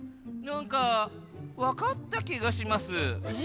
なんかわかったきがします。